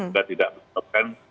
dan tidak menyebabkan